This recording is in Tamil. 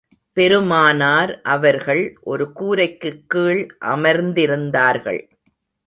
பெருமானார் அவர்கள் ஒரு கூரைக்குக் கீழ் அமர்ந்திருந்தார்கள்.